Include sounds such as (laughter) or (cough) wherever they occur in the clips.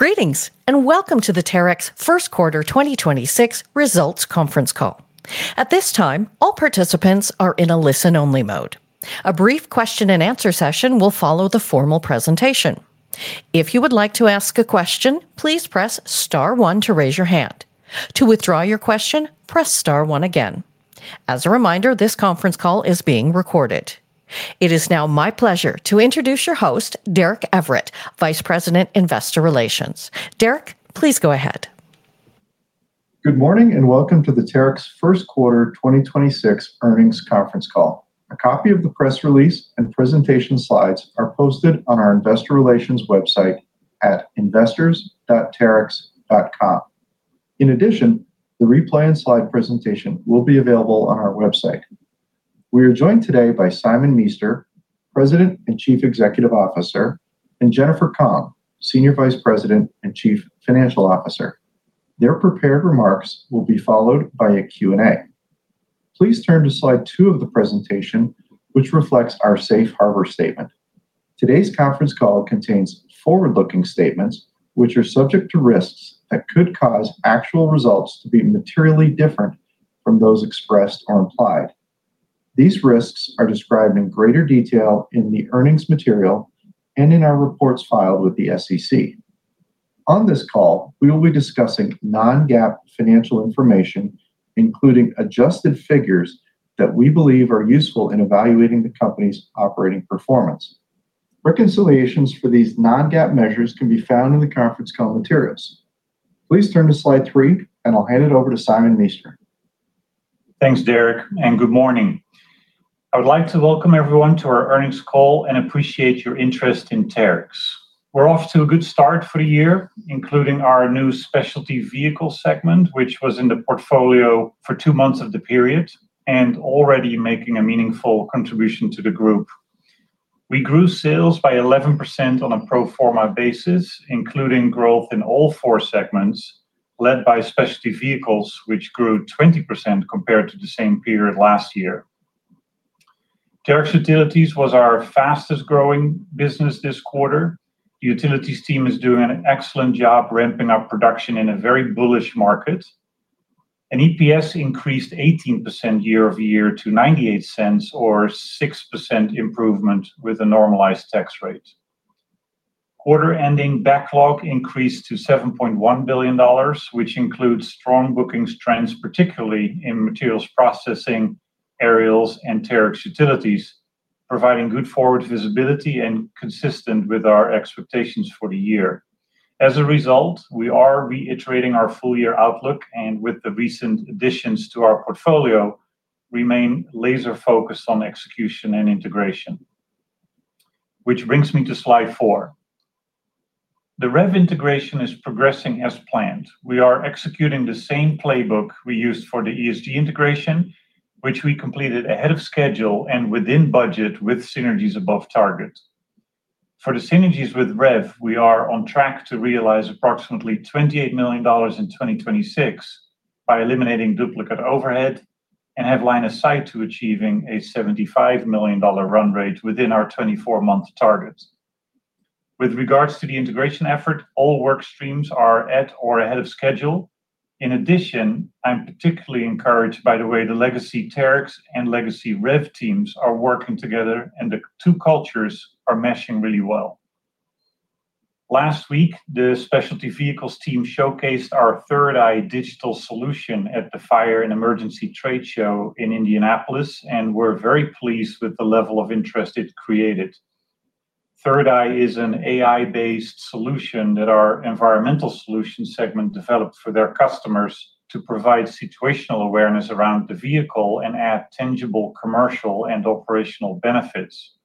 Greetings, and welcome to the Terex first quarter 2026 results conference call. At this time, all participants are in a listen only mode. A brief question and answer session will follow the formal presentation. If you would like to ask a question, please press star one to raise your hand. To withdraw your question, press star one again. As a reminder, this conference call is being recorded. It is now my pleasure to introduce your host, Derek Everitt, Vice President, Investor Relations. Derek, please go ahead. Good morning, and welcome to the Terex first quarter 2026 earnings conference call. A copy of the press release and presentation slides are posted on our investor relations website at investors.terex.com. In addition, the replay and slide presentation will be available on our website. We are joined today by Simon Meester, President and Chief Executive Officer, and Jennifer Kong, Senior Vice President and Chief Financial Officer. Their prepared remarks will be followed by a Q&A. Please turn to slide two of the presentation, which reflects our safe harbor statement. Today's conference call contains forward-looking statements, which are subject to risks that could cause actual results to be materially different from those expressed or implied. These risks are described in greater detail in the earnings material and in our reports filed with the SEC. On this call, we will be discussing non-GAAP financial information, including adjusted figures that we believe are useful in evaluating the company's operating performance. Reconciliations for these non-GAAP measures can be found in the conference call materials. Please turn to slide three, and I'll hand it over to Simon Meester. Thanks, Derek. Good morning. I would like to welcome everyone to our earnings call and appreciate your interest in Terex. We're off to a good start for the year, including our new Specialty Vehicles segment, which was in the portfolio for two months of the period and already making a meaningful contribution to the group. We grew sales by 11% on a pro forma basis, including growth in all four segments, led by Specialty Vehicles, which grew 20% compared to the same period last year. Terex Utilities was our fastest growing business this quarter. Utilities team is doing an excellent job ramping up production in a very bullish market. EPS increased 18% year-over-year to $0.98 or 6% improvement with a normalized tax rate. Quarter ending backlog increased to $7.1 billion, which includes strong bookings trends, particularly in Materials Processing, Aerials and Terex Utilities, providing good forward visibility and consistent with our expectations for the year. As a result, we are reiterating our full year outlook and with the recent additions to our portfolio, remain laser focused on execution and integration. Which brings me to slide four. The REV integration is progressing as planned. We are executing the same playbook we used for the ESG integration, which we completed ahead of schedule and within budget with synergies above target. For the synergies with REV, we are on track to realize approximately $28 million in 2026 by eliminating duplicate overhead and have line of sight to achieving a $75 million run rate within our 24-month target. With regards to the integration effort, all work streams are at or ahead of schedule. In addition, I'm particularly encouraged by the way the Legacy Terex and Legacy REV teams are working together, and the two cultures are meshing really well. Last week, the Specialty Vehicles Team showcased our 3rd Eye Digital Solution at the Fire and Emergency Trade Show in Indianapolis, and we're very pleased with the level of interest it created. 3rd Eye is an AI-based solution that our Environmental Solutions segment developed for their customers to provide situational awareness around the vehicle and add tangible commercial and operational benefits.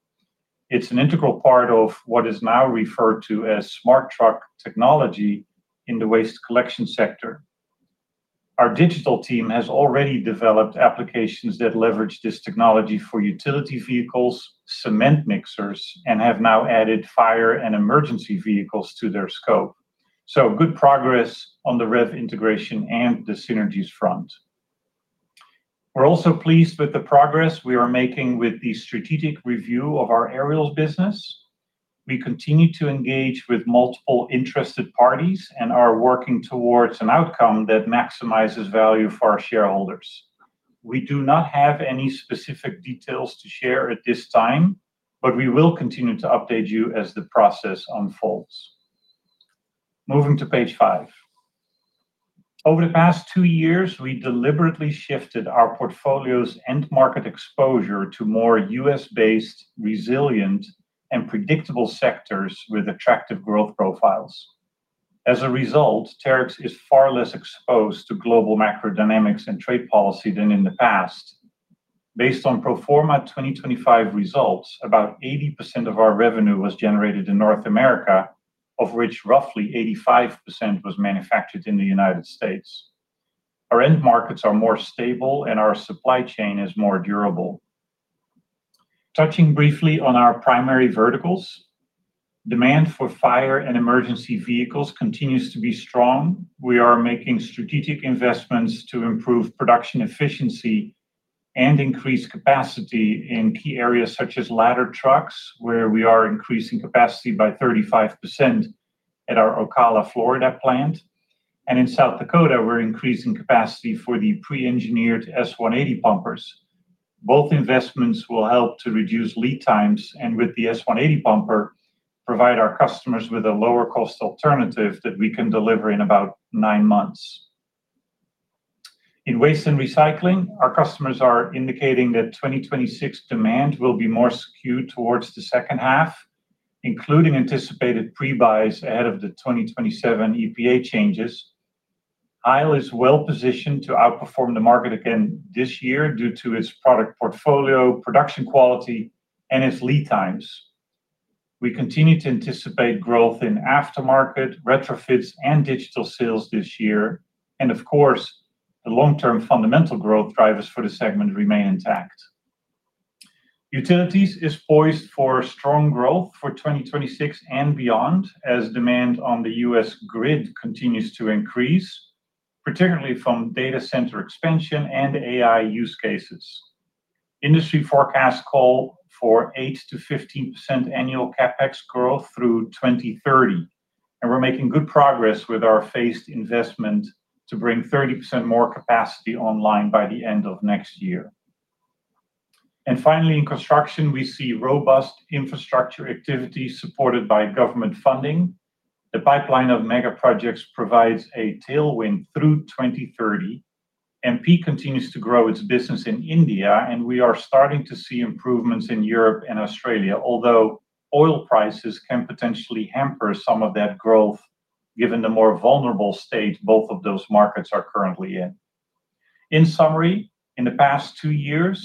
It's an integral part of what is now referred to as smart truck technology in the waste collection sector. Our digital team has already developed applications that leverage this technology for utility vehicles, cement mixers, and have now added fire and emergency vehicles to their scope. Good progress on the REV integration and the synergies front. We're also pleased with the progress we are making with the strategic review of our Aerials business. We continue to engage with multiple interested parties and are working towards an outcome that maximizes value for our shareholders. We do not have any specific details to share at this time, but we will continue to update you as the process unfolds. Moving to page five. Over the past two years, we deliberately shifted our portfolio's end market exposure to more U.S.-based, resilient, and predictable sectors with attractive growth profiles. As a result, Terex is far less exposed to global macro dynamics and trade policy than in the past. Based on pro forma 2025 results, about 80% of our revenue was generated in North America, of which roughly 85% was manufactured in the United States. Our end markets are more stable and our supply chain is more durable. Touching briefly on our primary verticals, demand for fire and emergency vehicles continues to be strong. We are making strategic investments to improve production efficiency and increase capacity in key areas such as ladder trucks, where we are increasing capacity by 35% at our Ocala, Florida plant. In South Dakota, we're increasing capacity for the pre-engineered S-180 Pumpers. Both investments will help to reduce lead times, and with the S-180 pumper, provide our customers with a lower cost alternative that we can deliver in about nine months. In waste and recycling, our customers are indicating that 2026 demand will be more skewed towards the second half, including anticipated pre-buys ahead of the 2027 EPA changes. Aerials is well-positioned to outperform the market again this year due to its product portfolio, production quality, and its lead times. We continue to anticipate growth in aftermarket, retrofits, and digital sales this year. Of course, the long-term fundamental growth drivers for the segment remain intact. Utilities is poised for strong growth for 2026 and beyond as demand on the U.S. grid continues to increase, particularly from data center expansion and AI use cases. Industry forecasts call for 8%-15% annual CapEx growth through 2030. We're making good progress with our phased investment to bring 30% more capacity online by the end of next year. Finally, in construction, we see robust infrastructure activity supported by government funding. The pipeline of mega projects provides a tailwind through 2030. MP continues to grow its business in India, and we are starting to see improvements in Europe and Australia, although oil prices can potentially hamper some of that growth given the more vulnerable state both of those markets are currently in. In summary, in the past two years,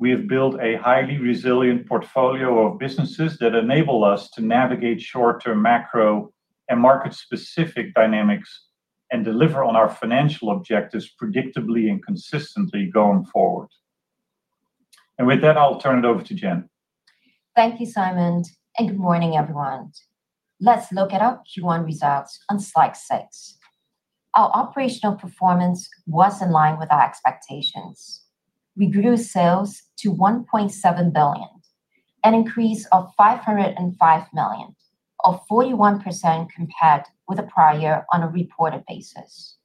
we have built a highly resilient portfolio of businesses that enable us to navigate short-term macro and market-specific dynamics and deliver on our financial objectives predictably and consistently going forward. With that, I'll turn it over to Jen. Thank you, Simon, and good morning, everyone. Let's look at our Q1 results on slide six. Our operational performance was in line with our expectations. We grew sales to $1.7 billion, an increase of $505 million, or 41% compared with the prior year on a reported basis.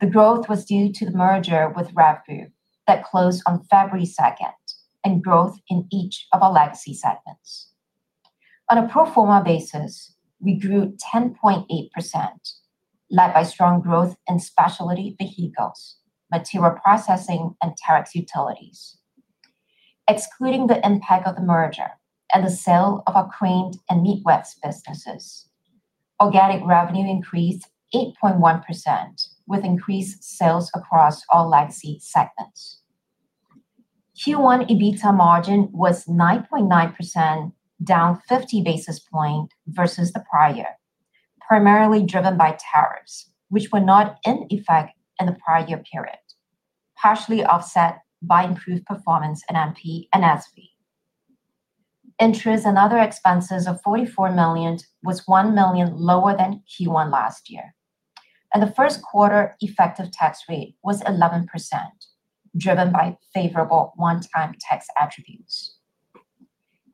The growth was due to the merger with REV Group that closed on February 2nd, and growth in each of our legacy segments. On a pro forma basis, we grew 10.8%, led by strong growth in Specialty Vehicles, Materials Processing, and Terex Utilities. Excluding the impact of the merger and the sale of our cranes and Midwest businesses, organic revenue increased 8.1% with increased sales across all legacy segments. Q1 EBITDA margin was 9.9%, down 50 basis points versus the prior year, primarily driven by Terex, which were not in effect in the prior year period, partially offset by improved performance in MP and SV. Interest and other expenses of $44 million was $1 million lower than Q1 last year. The first quarter effective tax rate was 11%, driven by favorable one-time tax attributes.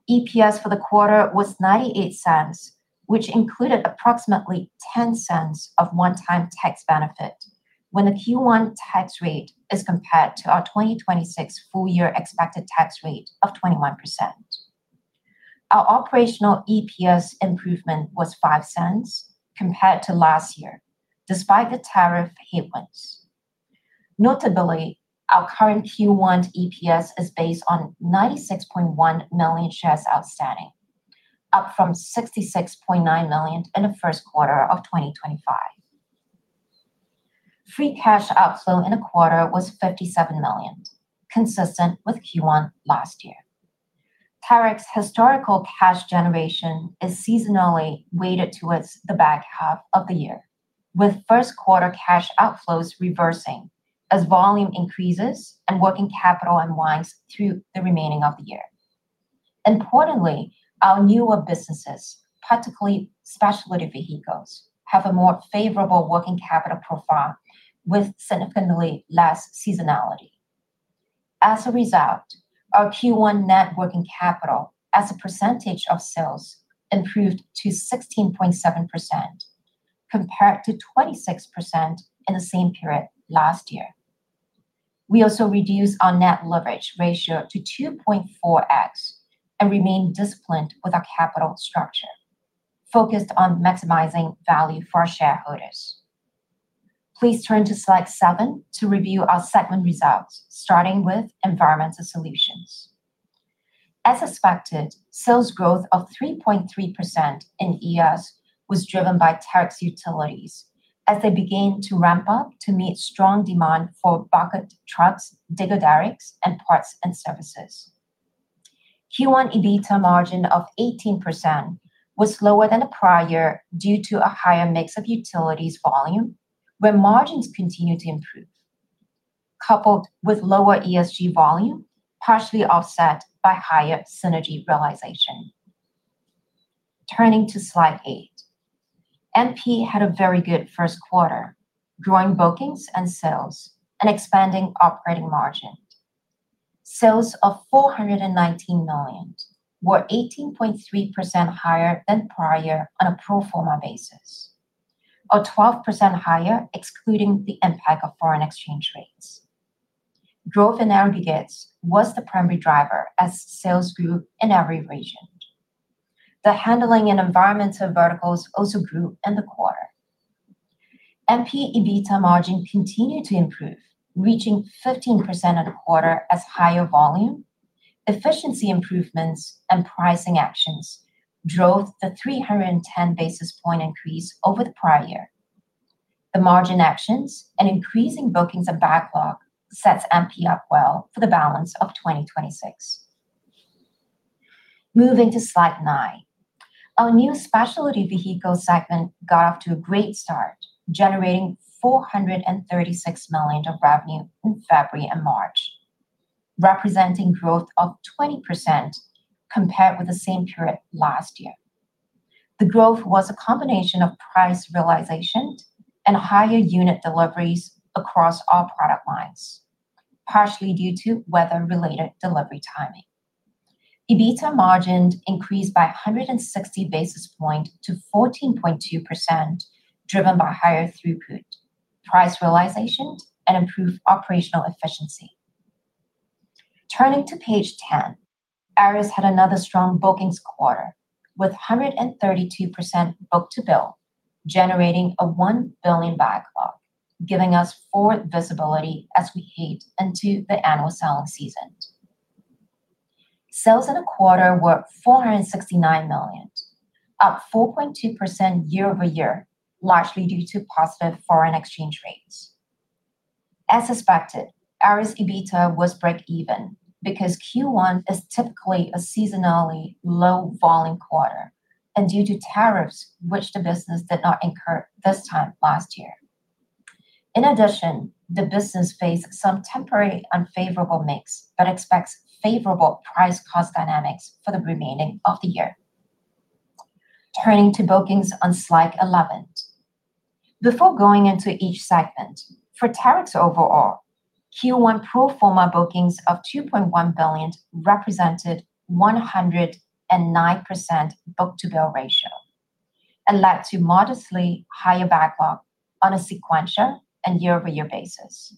EPS for the quarter was $0.98, which included approximately $0.10 of one-time tax benefit when the Q1 tax rate is compared to our 2026 full year expected tax rate of 21%. Our operational EPS improvement was $0.05 compared to last year, despite the tariff headwinds. Notably, our current Q1 EPS is based on 96.1 million shares outstanding, up from 66.9 million in the first quarter of 2025. Free cash outflow in the quarter was $57 million, consistent with Q1 last year. Terex historical cash generation is seasonally weighted towards the back half of the year, with first quarter cash outflows reversing as volume increases and working capital unwinds through the remaining of the year. Importantly, our newer businesses, particularly Specialty Vehicles, have a more favorable working capital profile with significantly less seasonality. As a result, our Q1 net working capital as a percentage of sales improved to 16.7% compared to 26% in the same period last year. We also reduced our net leverage ratio to 2.4x and remain disciplined with our capital structure, focused on maximizing value for our shareholders. Please turn to slide seven to review our segment results, starting with Environmental Solutions. As expected, sales growth of 3.3% in ES was driven by Terex Utilities as they began to ramp up to meet strong demand for bucket trucks, digger derricks, and parts and services. Q1 EBITDA margin of 18% was lower than the prior year due to a higher mix of Utilities volume, where margins continued to improve, coupled with lower ESG volume, partially offset by higher synergy realization. Turning to slide eight. MP had a very good first quarter, growing bookings and sales and expanding operating margin. Sales of $419 million were 18.3% higher than prior on a pro forma basis, or 12% higher excluding the impact of foreign exchange rates. Growth in aggregates was the primary driver as sales grew in every region. The handling and environmental verticals also grew in the quarter. MP EBITDA margin continued to improve, reaching 15% of the quarter as higher volume, efficiency improvements and pricing actions drove the 310 basis point increase over the prior year. The margin actions and increasing bookings of backlog sets MP up well for the balance of 2026. Moving to slide 9. Our new Specialty Vehicles segment got off to a great start, generating $436 million of revenue in February and March, representing growth of 20% compared with the same period last year. The growth was a combination of price realization and higher unit deliveries across all product lines, partially due to weather-related delivery timing. EBITDA margin increased by 160 basis point to 14.2%, driven by higher throughput, price realization, and improved operational efficiency. Turning to page 10, Aerials had another strong bookings quarter, with 132% book-to-bill, generating a $1 billion backlog, giving us forward visibility as we head into the annual selling season. Sales in the quarter were $469 million, up 4.2% year-over-year, largely due to positive foreign exchange rates. As suspected, Aerials EBITDA was break even because Q1 is typically a seasonally low volume quarter and due to tariffs which the business did not incur this time last year. In addition, the business faced some temporary unfavorable mix, but expects favorable price cost dynamics for the remaining of the year. Turning to bookings on slide 11. Before going into each segment, for Terex overall, Q1 pro forma bookings of $2.1 billion represented 109% book-to-bill ratio and led to modestly higher backlog on a sequential and year-over-year basis.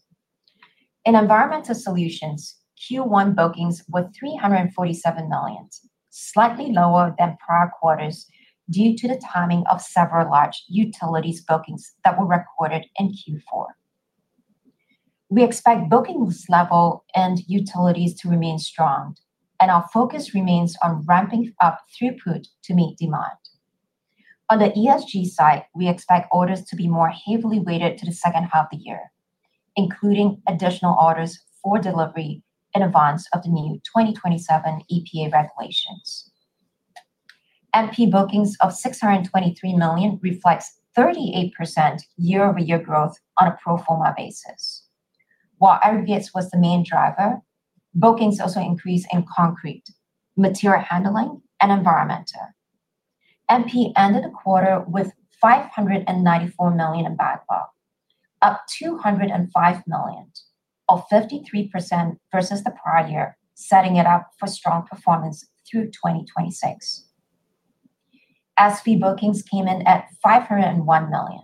In Environmental Solutions, Q1 bookings were $347 million, slightly lower than prior quarters due to the timing of several large utilities bookings that were recorded in Q4. We expect bookings level and utilities to remain strong, and our focus remains on ramping up throughput to meet demand. On the ESG side, we expect orders to be more heavily weighted to the second half of the year, including additional orders for delivery in advance of the new 2027 EPA regulations. MP bookings of $623 million reflects 38% year-over-year growth on a pro forma basis. While aggregates was the main driver, bookings also increased in concrete, material handling, and environmental. MP ended the quarter with $594 million in backlog, up $205 million, or 53% versus the prior year, setting it up for strong performance through 2026. SV bookings came in at $501 million.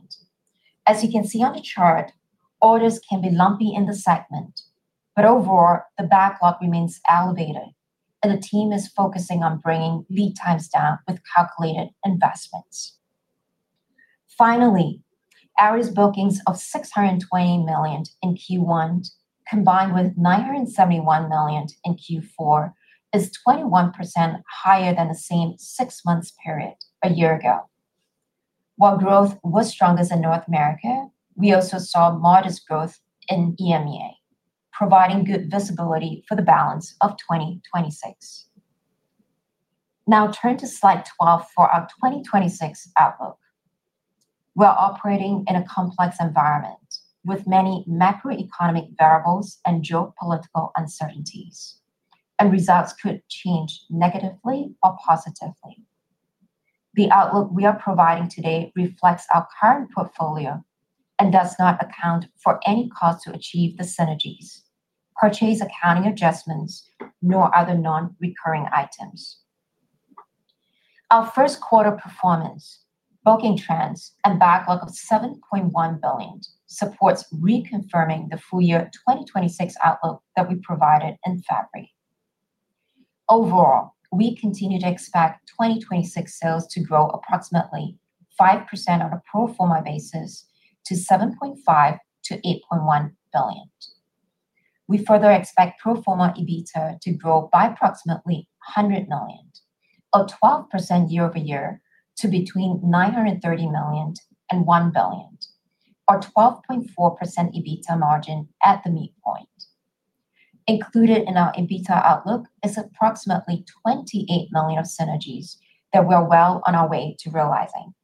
As you can see on the chart, orders can be lumpy in the segment, but overall, the backlog remains elevated, and the team is focusing on bringing lead times down with calculated investments. Finally, Aerials bookings of $620 million in Q1, combined with $971 million in Q4, is 21% higher than the same six-month period a year ago. While growth was strongest in North America, we also saw modest growth in EMEA, providing good visibility for the balance of 2026. Turn to slide 12 for our 2026 outlook. We are operating in a complex environment with many macroeconomic variables and geopolitical uncertainties, results could change negatively or positively. The outlook we are providing today reflects our current portfolio and does not account for any cost to achieve the synergies, purchase accounting adjustments, nor other non-recurring items. Our first quarter performance, booking trends, and backlog of $7.1 billion supports reconfirming the full year 2026 outlook that we provided in February. We continue to expect 2026 sales to grow approximately 5% on a pro forma basis to $7.5 billion-$8.1 billion. We further expect pro forma EBITDA to grow by approximately $100 million, or 12% year-over-year to between $930 million and $1 billion, or 12.4% EBITDA margin at the midpoint. Included in our EBITDA outlook is approximately $28 million of synergies that we're well on our way to realizing.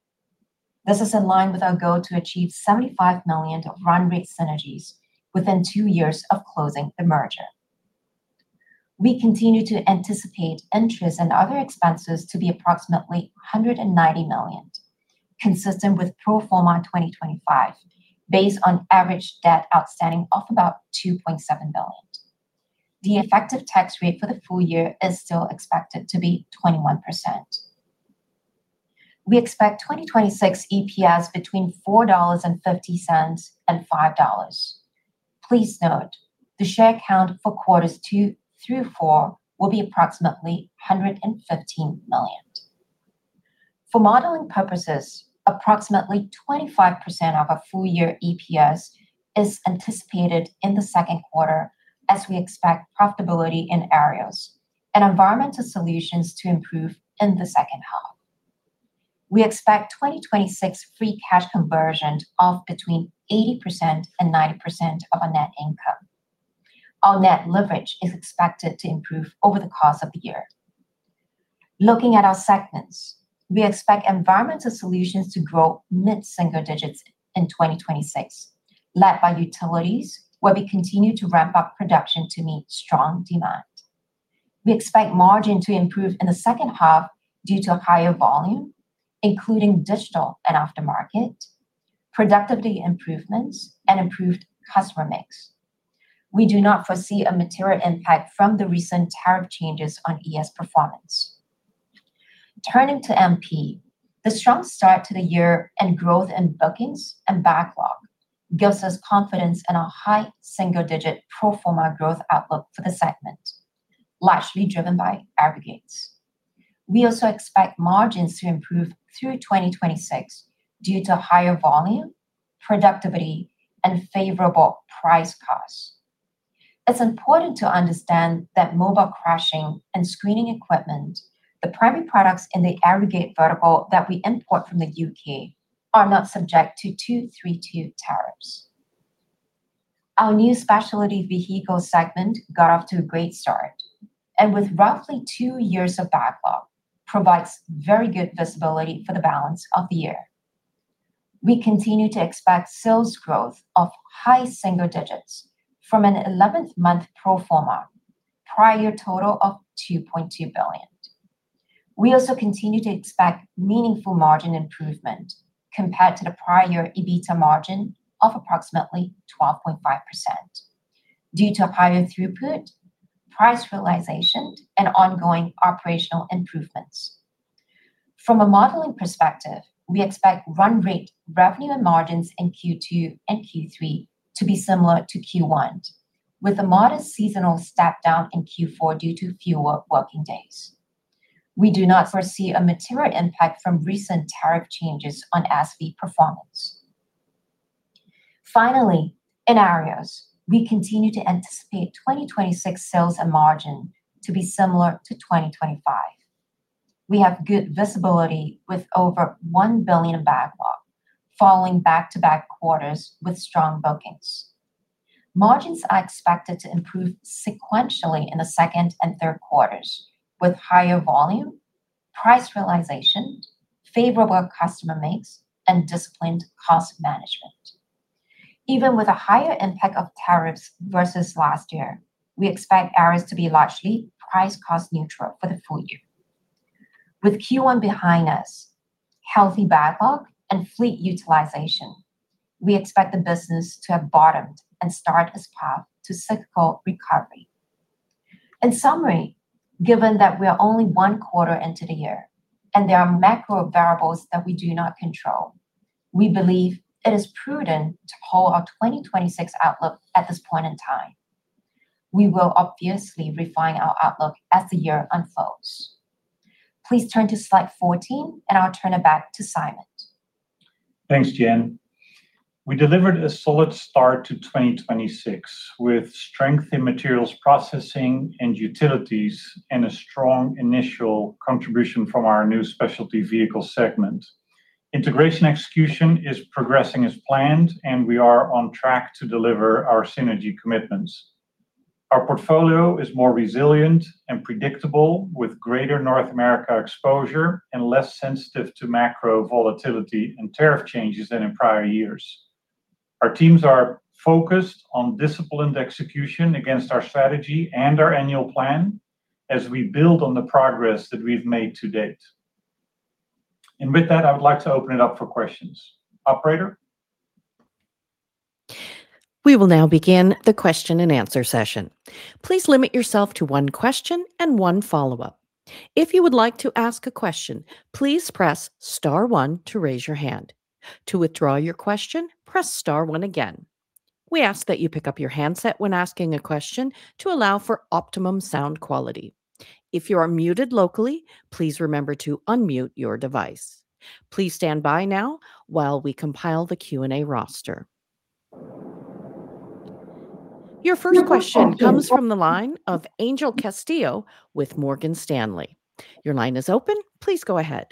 This is in line with our goal to achieve $75 million of run rate synergies within two years of closing the merger. We continue to anticipate interest and other expenses to be approximately $190 million, consistent with pro forma 2025, based on average debt outstanding of about $2.7 billion. The effective tax rate for the full year is still expected to be 21%. We expect 2026 EPS between $4.50 and $5.00. Please note, the share count for quarters two through four will be approximately 115 million. For modeling purposes, approximately 25% of our full year EPS is anticipated in the second quarter as we expect profitability in Aerials and Environmental Solutions to improve in the second half. We expect 2026 free cash conversion of between 80% and 90% of our net income. Our net leverage is expected to improve over the course of the year. Looking at our segments, we expect Environmental Solutions to grow mid-single digits in 2026, led by utilities where we continue to ramp up production to meet strong demand. We expect margin to improve in the second half due to higher volume, including digital and aftermarket, productivity improvements, and improved customer mix. We do not foresee a material impact from the recent tariff changes on ES performance. Turning to MP, the strong start to the year and growth in bookings and backlog gives us confidence in a high single-digit pro forma growth outlook for the segment, largely driven by aggregates. We also expect margins to improve through 2026 due to higher volume, productivity, and favorable price costs. It's important to understand that mobile crushing and screening equipment, the primary products in the aggregate vertical that we import from the U.K., are not subject to two-three-two tariffs. Our new Specialty Vehicles segment got off to a great start, and with roughly two years of backlog, provides very good visibility for the balance of the year. We continue to expect sales growth of high single digits from an 11th-month pro forma prior total of $2.2 billion. We also continue to expect meaningful margin improvement compared to the prior EBITDA margin of approximately 12.5% due to higher throughput, price realization, and ongoing operational improvements. From a modeling perspective, we expect run rate revenue and margins in Q2 and Q3 to be similar to Q1, with a modest seasonal step down in Q4 due to fewer working days. We do not foresee a material impact from recent tariff changes on SV performance. Finally, in Aerials, we continue to anticipate 2026 sales and margin to be similar to 2025. We have good visibility with over $1 billion of backlog, following back-to-back quarters with strong bookings. Margins are expected to improve sequentially in the second and third quarters with higher volume, price realization, favorable customer mix, and disciplined cost management. Even with a higher impact of tariffs versus last year, we expect Aerials to be largely price cost neutral for the full year. With Q1 behind us, healthy backlog, and fleet utilization, we expect the business to have bottomed and start its path to cyclical recovery. In summary, given that we are only one quarter into the year, and there are macro variables that we do not control, we believe it is prudent to hold our 2026 outlook at this point in time. We will obviously refine our outlook as the year unfolds. Please turn to slide 14, and I'll turn it back to Simon. Thanks, Jen. We delivered a solid start to 2026, with strength in Materials Processing and Utilities, and a strong initial contribution from our new Specialty Vehicles segment. Integration execution is progressing as planned, and we are on track to deliver our synergy commitments. Our portfolio is more resilient and predictable, with greater North America exposure and less sensitive to macro volatility and tariff changes than in prior years. Our teams are focused on disciplined execution against our strategy and our annual plan as we build on the progress that we've made to date. With that, I would like to open it up for questions. Operator? Your first question comes from the line of Angel Castillo with Morgan Stanley. Your line is open. Please go ahead.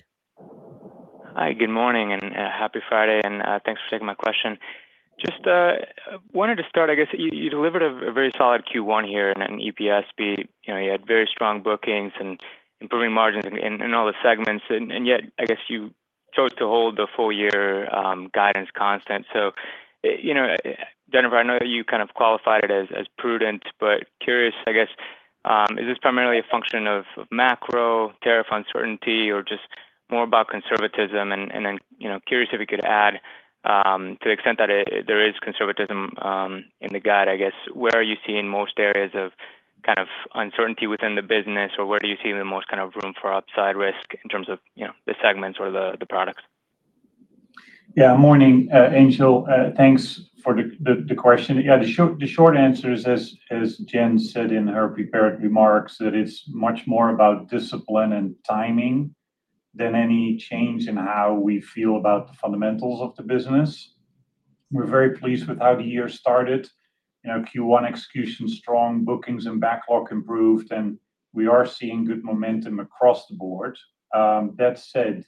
Hi, good morning, and happy Friday, and thanks for taking my question. Just wanted to start, I guess, you delivered a very solid Q1 here and an EPS beat. You know, you had very strong bookings and improving margins in all the segments and yet I guess you to hold the full year guidance constant. You know, Jennifer, I know that you kind of qualified it as prudent, but curious, I guess, is this primarily a function of macro tariff uncertainty or just more about conservatism? You know, curious if you could add, to the extent that there is conservatism, in the guide, I guess, where are you seeing most areas of kind of uncertainty within the business, or where do you see the most kind of room for upside risk in terms of, you know, the segments or the products? Morning, Angel. Thanks for the question. The short answer is, as Jen said in her prepared remarks, that it's much more about discipline and timing than any change in how we feel about the fundamentals of the business. We are very pleased with how the year started. You know, Q1 execution, strong bookings and backlog improved, and we are seeing good momentum across the board. That said,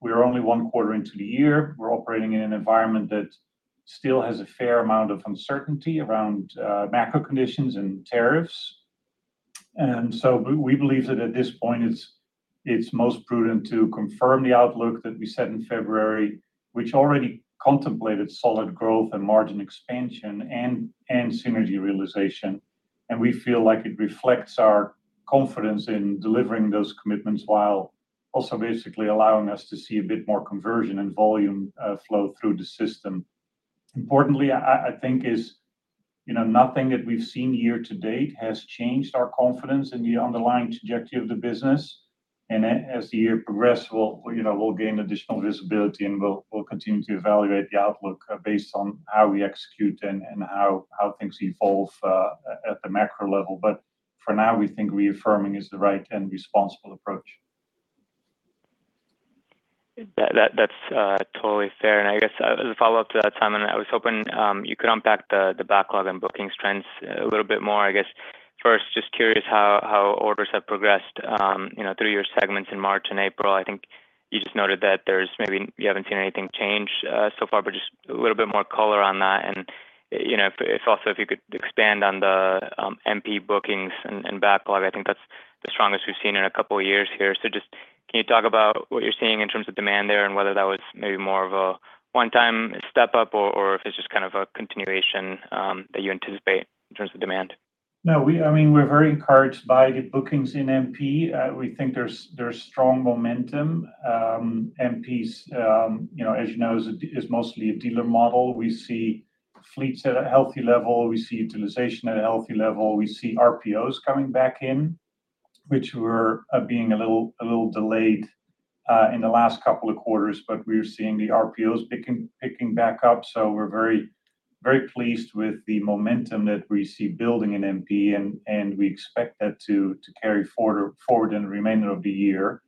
we are only one quarter into the year. We are operating in an environment that still has a fair amount of uncertainty around macro conditions and tariffs. We believe that at this point it's most prudent to confirm the outlook that we set in February, which already contemplated solid growth and margin expansion and synergy realization. We feel like it reflects our confidence in delivering those commitments while also basically allowing us to see a bit more conversion and volume flow through the system. Importantly, I think is, you know, nothing that we've seen year to date has changed our confidence in the underlying trajectory of the business. As the year progresses, we'll, you know, we'll gain additional visibility and we'll continue to evaluate the outlook based on how we execute and how things evolve at the macro level. For now, we think reaffirming is the right and responsible approach. That's totally fair. I guess as a follow-up to that, Simon, I was hoping you could unpack the backlog and booking trends a little bit more, I guess. First, just curious how orders have progressed, you know, through your segments in March and April. I think you just noted that there's maybe you haven't seen anything change so far, but just a little bit more color on that. You know, if also if you could expand on the MP bookings and backlog. I think that's the strongest we've seen in a couple of years here. Just can you talk about what you're seeing in terms of demand there and whether that was maybe more of a one-time step up or if it's just kind of a continuation that you anticipate in terms of demand? I mean, we're very encouraged by the bookings in MP. We think there's strong momentum. MP's, you know, as you know, is mostly a dealer model. We see fleets at a healthy level. We see utilization at a healthy level. We see RPOs coming back in, which were being a little delayed in the last couple of quarters, but we're seeing the RPOs picking back up. We're very pleased with the momentum that we see building in MP and we expect that to carry forward in the remainder of the year.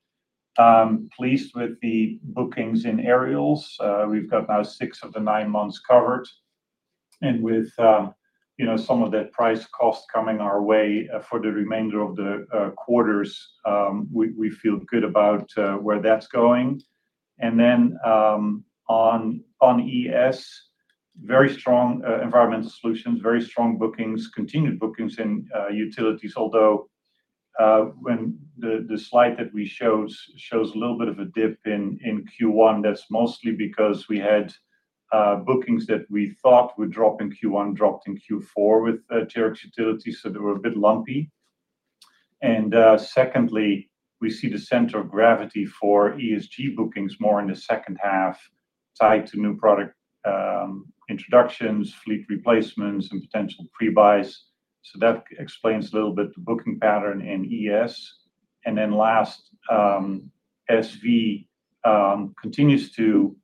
Pleased with the bookings in Aerials. We've got now six of the nine months covered. With, you know, some of that price cost coming our way for the remainder of the quarters, we feel good about where that's going. Then, on ES, very strong Environmental Solutions, very strong bookings, continued bookings in Utilities. Although, when the slide that we showed shows a little bit of a dip in Q1, that's mostly because we had bookings that we thought would drop in Q1, dropped in Q4 with Terex Utilities, so they were a bit lumpy. Secondly, we see the center of gravity for ESG bookings more in the second half tied to new product introductions, fleet replacements, and potential pre-buys. That explains a little bit the booking pattern in ES. Last, SV continues to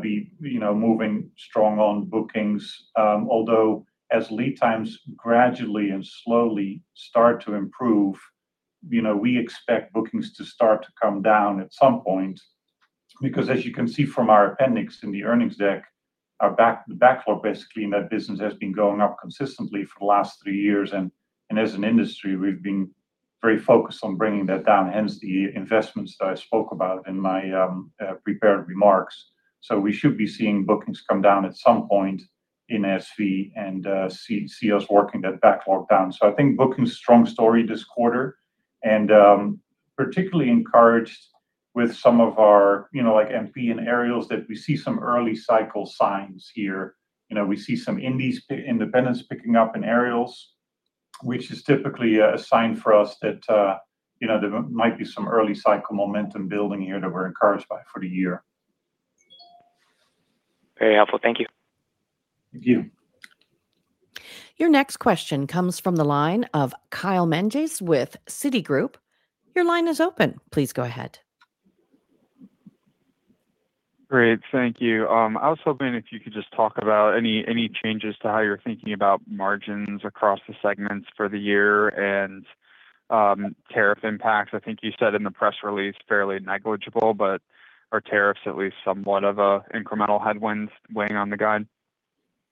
be moving strong on bookings. Although as lead times gradually and slowly start to improve, we expect bookings to start to come down at some point, because as you can see from our appendix in the earnings deck, the backlog basically in that business has been going up consistently for the last three years. As an industry, we've been very focused on bringing that down, hence the investments that I spoke about in my prepared remarks. We should be seeing bookings come down at some point in SV and see us working that backlog down. I think bookings strong story this quarter and particularly encouraged with some of our MP and Aerials that we see some early cycle signs here. You know, we see some independents picking up in Aerials, which is typically a sign for us that, you know, there might be some early cycle momentum building here that we're encouraged by for the year. Very helpful. Thank you. Thank you. Your next question comes from the line of Kyle Menges with Citigroup. Your line is open. Please go ahead. Great. Thank you. I was hoping if you could just talk about any changes to how you're thinking about margins across the segments for the year and tariff impacts. I think you said in the press release fairly negligible, but are tariffs at least somewhat of a incremental headwinds weighing on the guide?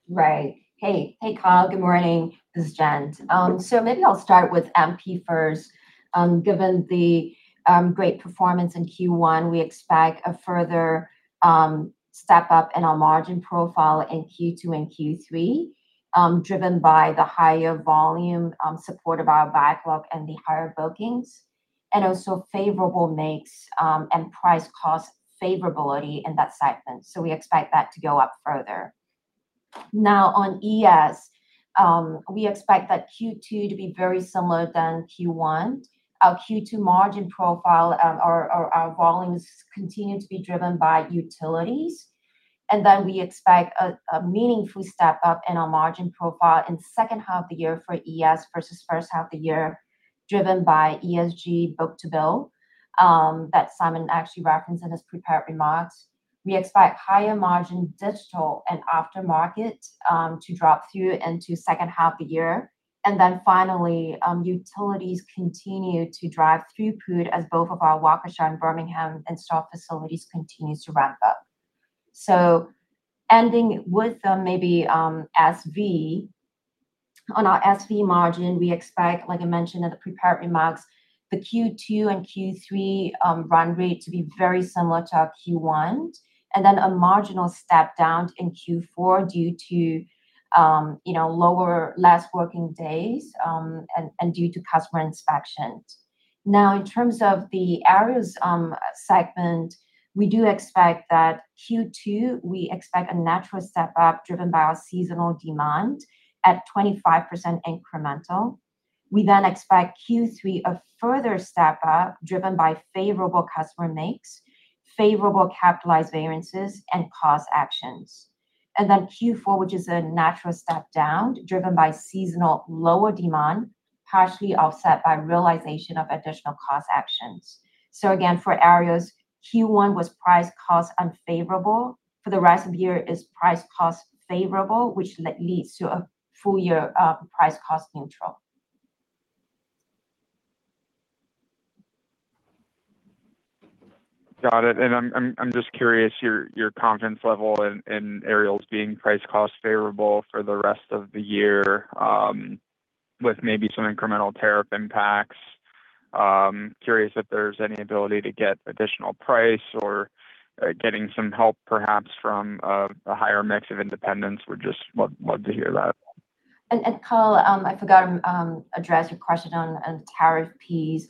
Right. Hey. Hey, Kyle. Good morning. This is Jen. Maybe I'll start with MP first. Given the great performance in Q1, we expect a further step up in our margin profile in Q2 and Q3. Driven by the higher volume, support of our backlog and the higher bookings, and also favorable mix, and price cost favorability in that segment. We expect that to go up further. On ES, we expect that Q2 to be very similar than Q1. Our Q2 margin profile, our volumes continue to be driven by Utilities. We expect a meaningful step up in our margin profile in second half of the year for ES versus first half of the year, driven by ESG book-to-bill, that Simon actually referenced in his prepared remarks. We expect higher margin digital and aftermarket to drop through into second half of the year. Finally, Utilities continue to drive through prod as both of our Waukesha and Birmingham install facilities continues to ramp up. Ending with maybe SV. On our SV margin, we expect, like I mentioned in the prepared remarks, the Q2 and Q3 run rate to be very similar to our Q1, and then a marginal step down in Q4 due to, you know, lower last working days and due to customer inspections. In terms of the Aerials segment, we do expect that Q2, we expect a natural step-up driven by our seasonal demand at 25% incremental. We expect Q3 a further step-up driven by favorable customer mix, favorable capitalized variances, and cost actions. Q4, which is a natural step down driven by seasonal lower demand, partially offset by realization of additional cost actions. Again, for Aerials, Q1 was price cost unfavorable. For the rest of the year is price cost favorable, which leads to a full year of price cost neutral. Got it. I'm just curious your confidence level in Aerials being price cost favorable for the rest of the year, with maybe some incremental tariff impacts. Curious if there's any ability to get additional price or getting some help perhaps from the higher mix of independents. Would just love to hear that. Kyle, I forgot address your question on the tariff piece.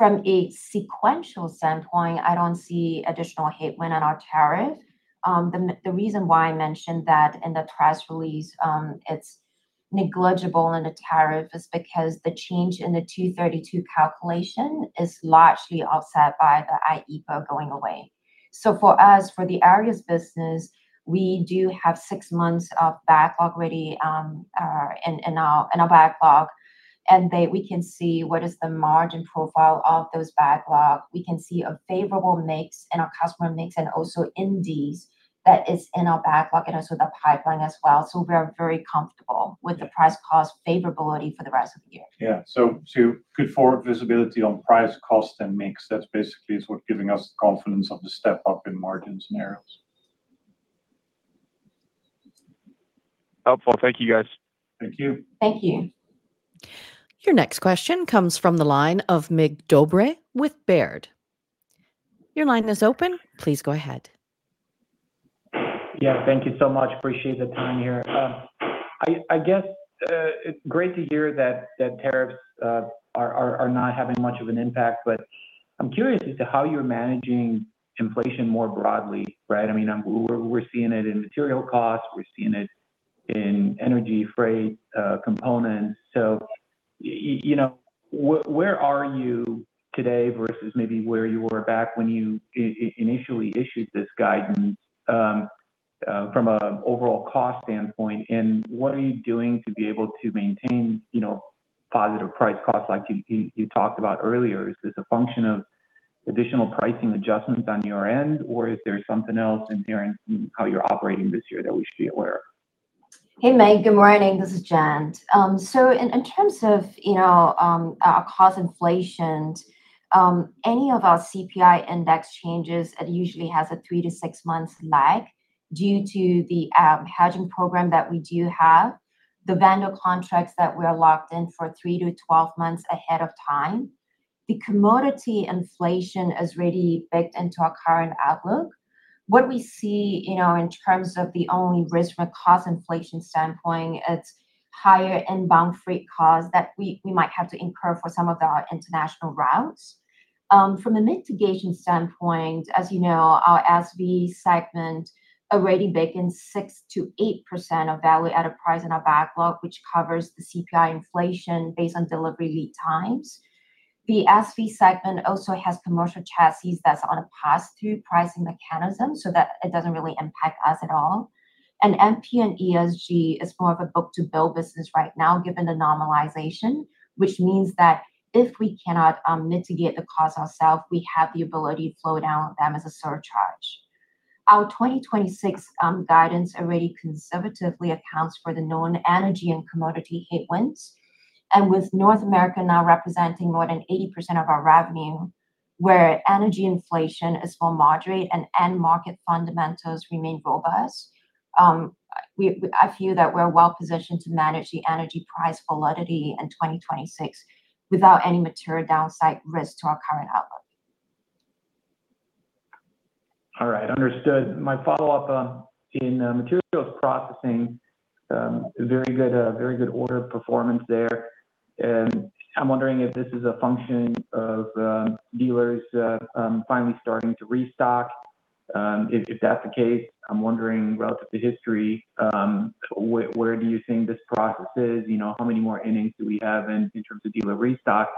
From a sequential standpoint, I don't see additional headwind on our tariff. The reason why I mentioned that in the press release, it's negligible in the tariff is because the change in the 232 calculation is largely offset by the IEEPA going away. For us, for the Aerials business, we do have six months of backlog already in our backlog, we can see what is the margin profile of those backlog. We can see a favorable mix in our customer mix and also indies that is in our backlog and also the pipeline as well. We are very comfortable with the price cost favorability for the rest of the year. Yeah. Good forward visibility on price, cost, and mix. That basically is what giving us the confidence of the step up in margins in Aerials. Helpful. Thank you, guys. Thank you. Thank you. Your next question comes from the line of Mig Dobre with Baird. Your line is open. Please go ahead. Yeah. Thank you so much. Appreciate the time here. I guess it's great to hear that tariffs are not having much of an impact, but I'm curious as to how you're managing inflation more broadly, right? I mean, we're seeing it in material costs, we're seeing it in energy freight, components. You know, where are you today versus maybe where you were back when you initially issued this guidance from an overall cost standpoint? What are you doing to be able to maintain, you know, positive price costs like you talked about earlier? Is this a function of additional pricing adjustments on your end, or is there something else inherent in how you're operating this year that we should be aware of? Hey, Mig. Good morning. This is Jen. In terms of, you know, our cost inflation, any of our CPI index changes, it usually has a three to six months lag due to the hedging program that we do have, the vendor contracts that we're locked in for three to 12 months ahead of time. The commodity inflation is already baked into our current outlook. What we see, you know, in terms of the only risk from a cost inflation standpoint, it's higher inbound freight costs that we might have to incur for some of our international routes. From a mitigation standpoint, as you know, our SV segment already baked in 6% to 8% of value-added price in our backlog, which covers the CPI inflation based on delivery lead times. The SV segment also has commercial chassis that's on a pass-through pricing mechanism so that it doesn't really impact us at all. MP and ESG is more of a book-to-bill business right now given the normalization, which means that if we cannot mitigate the cost ourself, we have the ability to flow down them as a surcharge. Our 2026 guidance already conservatively accounts for the known energy and commodity headwinds. With North America now representing more than 80% of our revenue, where energy inflation is more moderate and end market fundamentals remain robust, I feel that we're well positioned to manage the energy price volatility in 2026 without any material downside risk to our current outlook. All right. Understood. My follow-up, in Materials Processing, very good order performance there. I'm wondering if this is a function of dealers finally starting to restock. If that's the case, I'm wondering relative to history, where do you think this process is? You know, how many more innings do we have in terms of dealer restock,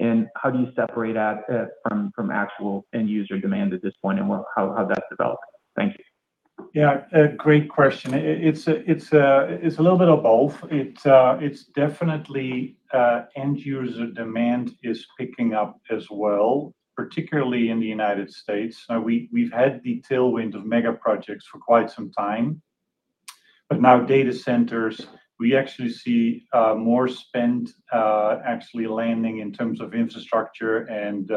and how do you separate out from actual end user demand at this point and how that's developing? Thank you. Yeah, a great question. It's a little bit of both. It's definitely end user demand is picking up as well, particularly in the U.S. We've had the tailwind of mega projects for quite some time. Now data centers, we actually see more spend actually landing in terms of infrastructure and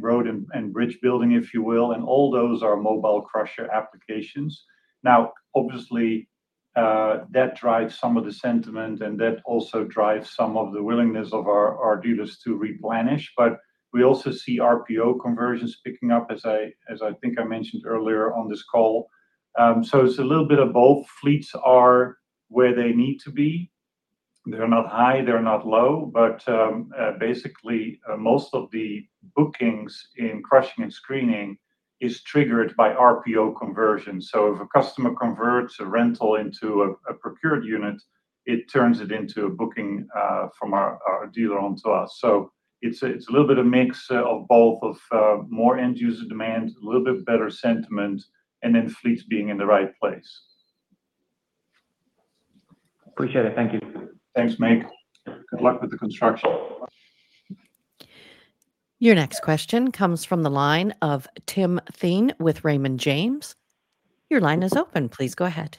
road and bridge building, if you will. All those are mobile crusher applications. Obviously, that drives some of the sentiment, and that also drives some of the willingness of our dealers to replenish. We also see RPO conversions picking up as I think I mentioned earlier on this call. It's a little bit of both. Fleets are where they need to be. They're not high, they're not low. Basically, most of the bookings in crushing and screening is triggered by RPO conversion. If a customer converts a rental into a procured unit, it turns it into a booking from our dealer onto us. It's a little bit of mix of both, of more end user demand, a little bit better sentiment, and then fleets being in the right place. Appreciate it. Thank you. Thanks, Mig. Good luck with the construction. Your next question comes from the line of Tim Thein with Raymond James. Your line is open. Please go ahead.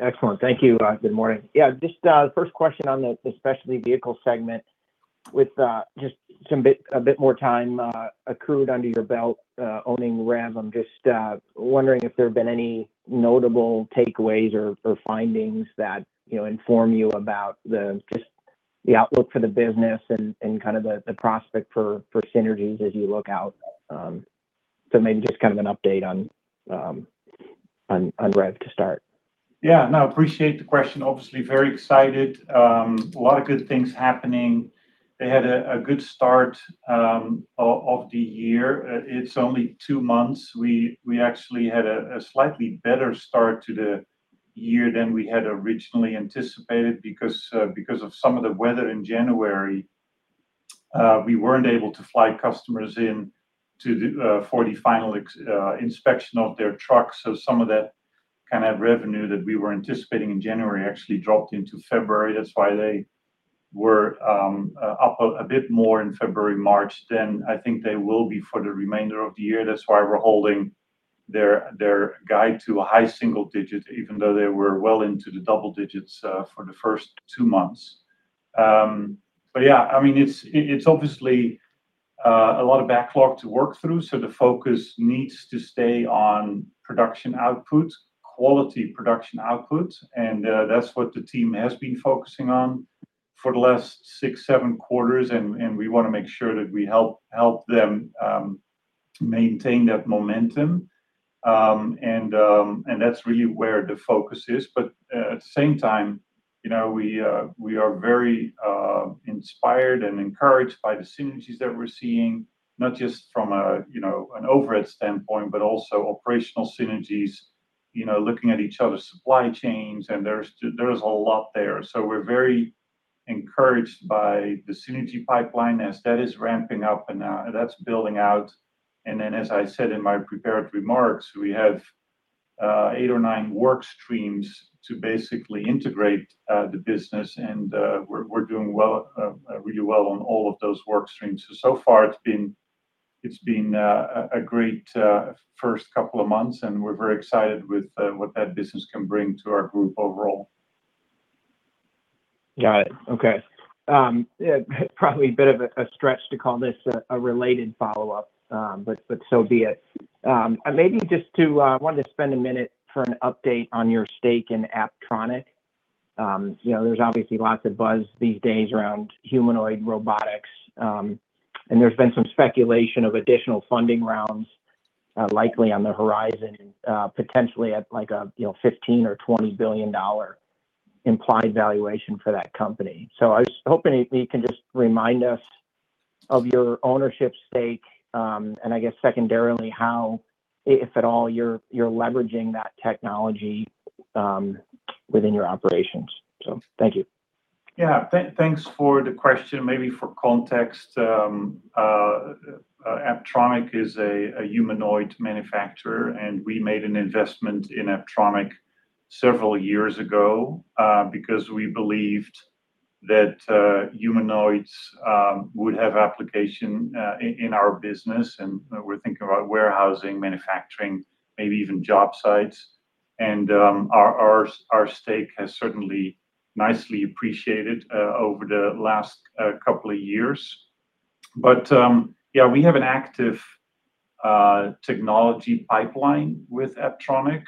Excellent. Thank you. Good morning. Just a first question on the Specialty Vehicles segment. With just a bit more time accrued under your belt, owning REV, I am just wondering if there have been any notable takeaways or findings that, you know, inform you about the outlook for the business and kind of the prospect for synergies as you look out. Maybe just kind of an update on REV to start. Yeah, no, appreciate the question. Obviously very excited. A lot of good things happening. They had a good start of the year. It's only two months. We actually had a slightly better start to the year than we had originally anticipated. Because of some of the weather in January, we weren't able to fly customers in to do for the final inspection of their trucks. Some of that kind of revenue that we were anticipating in January actually dropped into February. That's why they were up a bit more in February, March than I think they will be for the remainder of the year. That's why we're holding their guide to a high single-digit, even though they were well into the double-digits for the first two months. Yeah, I mean, it's obviously a lot of backlog to work through, so the focus needs to stay on production output, quality production output. That's what the team has been focusing on for the last six, seven quarters, and we wanna make sure that we help them maintain that momentum. That's really where the focus is. At the same time, you know, we are very inspired and encouraged by the synergies that we're seeing, not just from a, you know, an overhead standpoint, but also operational synergies. You know, looking at each other's supply chains, and there's a lot there. We're very encouraged by the synergy pipeline as that is ramping up and that's building out. As I said in my prepared remarks, we have eight or nine work streams to basically integrate the business and we're doing well, really well on all of those work streams. So far it's been, it's been a great first couple of months, and we're very excited with what that business can bring to our group overall. Got it. Okay. Yeah, probably a bit of a stretch to call this a related follow-up, so be it. Maybe just wanted to spend a minute for an update on your stake in Apptronik. You know, there's obviously lots of buzz these days around humanoid robotics. There's been some speculation of additional funding rounds likely on the horizon, potentially at like a, you know, $15 billion or $20 billion implied valuation for that company. I was hoping if you can just remind us of your ownership stake, and I guess secondarily, how, if at all, you're leveraging that technology within your operations. Thank you. Thanks for the question. Maybe for context, Apptronik is a humanoid manufacturer, and we made an investment in Apptronik several years ago because we believed that humanoids would have application in our business. We're thinking about warehousing, manufacturing, maybe even job sites. Our stake has certainly nicely appreciated over the last couple of years. We have an active technology pipeline with Apptronik.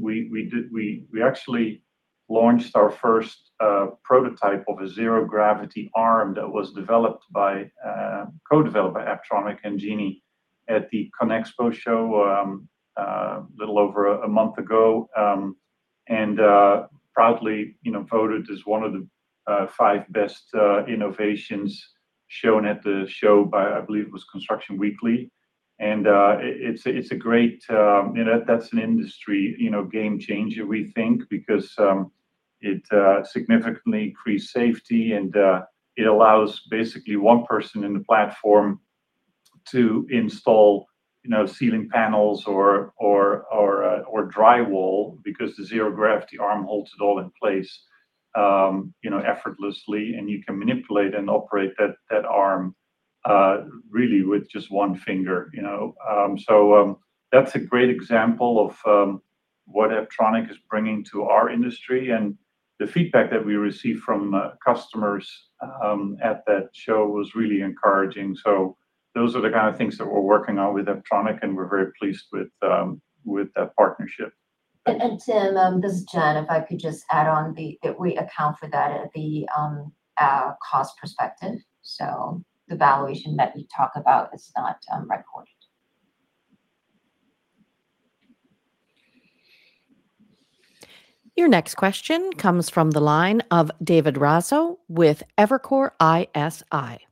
We actually launched our first prototype of a zero-gravity arm that was developed by co-developed by Apptronik and Genie at the CONEXPO show a little over one month ago. Proudly, you know, voted as one of the 5 best innovations shown at the show by, I believe it was Construction Week. It's a great, you know, that's an industry, you know, game changer, we think, because it significantly increased safety and it allows basically one person in the platform to install, you know, ceiling panels or drywall because the zero-gravity arm holds it all in place, you know, effortlessly, and you can manipulate and operate that arm really with just one finger, you know. That's a great example of what Apptronik is bringing to our industry. The feedback that we received from customers at that show was really encouraging. Those are the kind of things that we're working on with Apptronik, and we're very pleased with that partnership. Tim, this is Jen. If I could just add that we account for that at the cost perspective. The valuation that you talk about is not recorded. Your next question comes from the line of David Raso with Evercore ISI.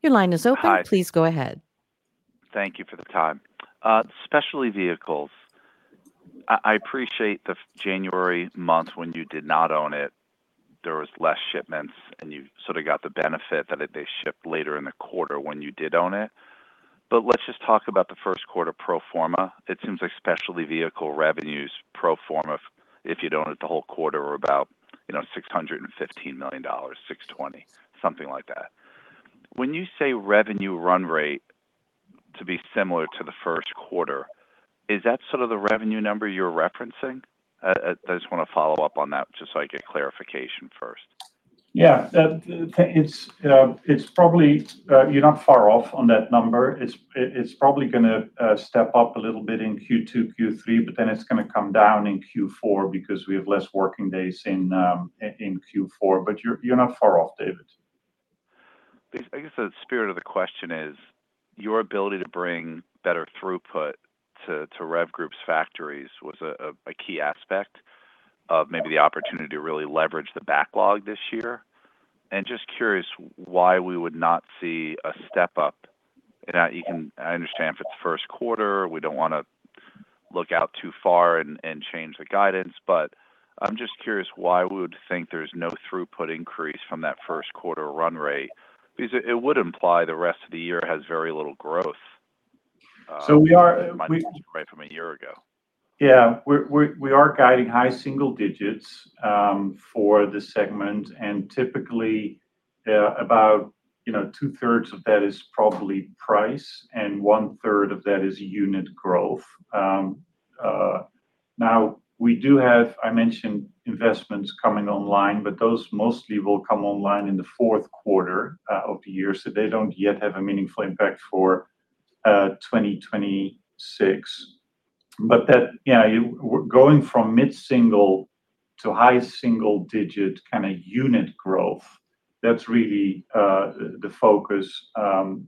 Your line is open. Hi. Please go ahead. Thank you for the time. Specialty Vehicles. I appreciate the January month when you did not own it, there was less shipments and you sort of got the benefit that if they shipped later in the quarter when you did own it. Let's just talk about the first quarter pro forma. It seems like Specialty Vehicles revenues pro forma, if you'd owned it the whole quarter, were about, you know, $615 million, $620 million, something like that. When you say revenue run rate to be similar to the first quarter, is that sort of the revenue number you're referencing? I just wanna follow up on that just so I get clarification first. Yeah. It's probably you're not far off on that number. It's probably gonna step up a little bit in Q2, Q3, then it's gonna come down in Q4 because we have less working days in Q4. You're not far off, David. I guess the spirit of the question is, your ability to bring better throughput to REV Group's factories was a key aspect of maybe the opportunity to really leverage the backlog this year. Just curious why we would not see a step up. Now I understand if it's first quarter, we don't wanna look out too far and change the guidance. I'm just curious why we would think there's no throughput increase from that first quarter run rate, because it would imply the rest of the year has very little growth. We are. from a year ago. Yeah. We are guiding high single digits for this segment. Typically, you know, two-thirds of that is probably price, and one-third of that is unit growth. Now we do have, I mentioned, investments coming online, those mostly will come online in the fourth quarter of the year, so they don't yet have a meaningful impact for 2026. That, yeah, we're going from mid-single to high single digit kind of unit growth. That's really the focus, you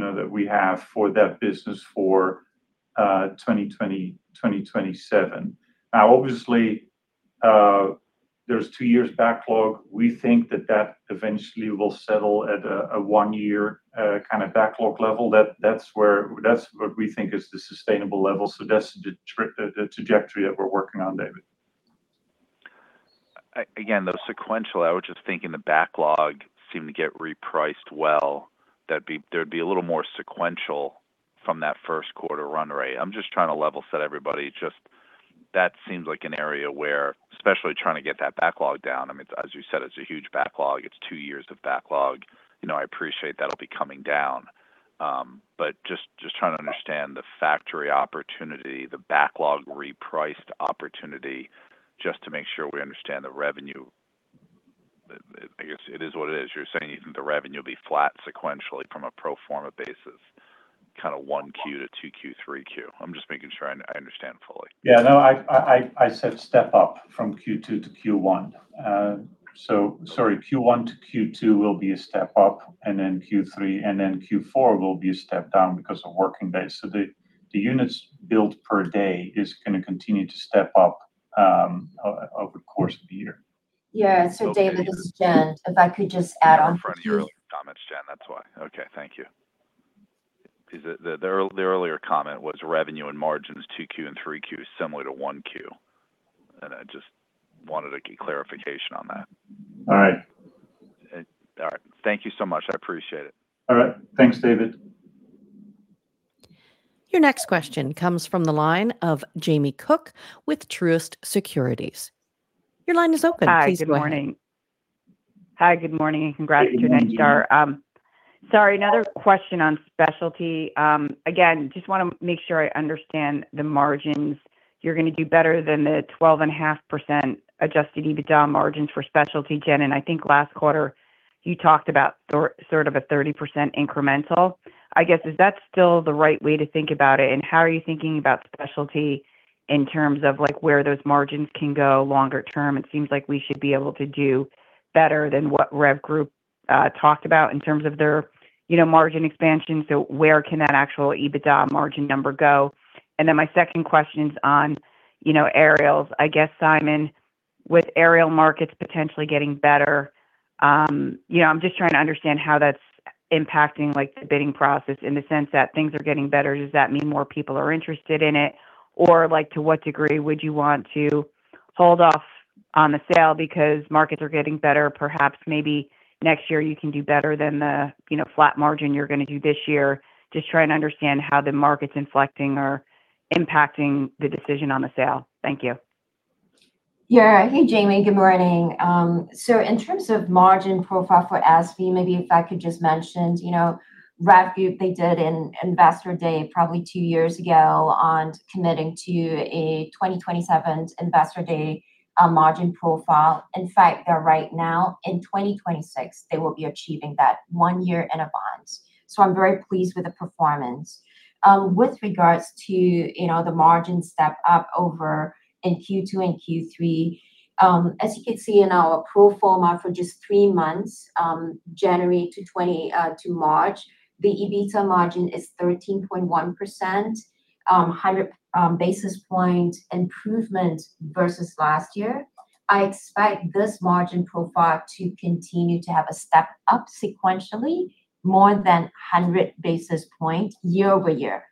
know, that we have for that business for 2020, 2027. Now, obviously, there's two years backlog. We think that that eventually will settle at a one-year kind of backlog level. That's what we think is the sustainable level. That's the trajectory that we're working on, David. Again, the sequential, I was just thinking the backlog seemed to get repriced well, there'd be a little more sequential from that first quarter run rate. I'm just trying to level set everybody. Just that seems like an area where, especially trying to get that backlog down, I mean, as you said, it's a huge backlog. It's two years of backlog. You know, I appreciate that'll be coming down. Just trying to understand the factory opportunity, the backlog repriced opportunity, just to make sure we understand the revenue. I guess it is what it is. You're saying you think the revenue will be flat sequentially from a pro forma basis, kind of 1Q to 2Q, 3Q. I'm just making sure I understand fully. Yeah, no, I said step up from Q2 to Q1. Sorry, Q1 to Q2 will be a step-up, and then Q3 and then Q4 will be a step down because of working days. The units built per day is gonna continue to step up over the course of the year. Yeah. David, this is Jen. If I could just add on to. Jen, that's why. Okay, thank you. The earlier comment was revenue and margins 2Q and 3Q is similar to 1Q, and I just wanted to get clarification on that. All right. All right. Thank you so much. I appreciate it. All right. Thanks, David. Your next question comes from the line of Jamie Cook with Truist Securities. Your line is open. Please go ahead. Hi, good morning. Hi, good morning, congrats on (crosstalk) Ecotec. Sorry, another question on Specialty. Again, just want to make sure I understand the margins. You're going to do better than the 12.5% adjusted EBITDA margins for Specialty, Jen. I think last quarter you talked about sort of a 30% incremental. I guess, is that still the right way to think about it? How are you thinking about Specialty in terms of, like, where those margins can go longer term? It seems like we should be able to do better than what REV Group talked about in terms of their, you know, margin expansion. Where can that actual EBITDA margin number go? My second question is on, you know, Aerials. I guess, Simon, with Aerials markets potentially getting better, you know, I'm just trying to understand how that's impacting, like, the bidding process in the sense that things are getting better. Like, to what degree would you want to hold off on the sale because markets are getting better? Perhaps maybe next year you can do better than the, you know, flat margin you're gonna do this year. Just trying to understand how the market's inflecting or impacting the decision on the sale. Thank you. Yeah. Hey, Jamie. Good morning. In terms of margin profile for SV, maybe if I could just mention, you know, REV, they did an investor day probably two years ago on committing to a 2027 investor day margin profile. In fact, they're right now, in 2026, they will be achieving that, one year in advance. I'm very pleased with the performance. With regards to, you know, the margin step up over in Q2 and Q3, as you can see in our pro forma for just three months, January to March, the EBITDA margin is 13.1%, 100 basis point improvement versus last year. I expect this margin profile to continue to have a step up sequentially, more than 100 basis point year-over-year.